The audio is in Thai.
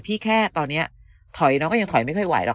แค่ตอนนี้ถอยน้องก็ยังถอยไม่ค่อยไหวหรอก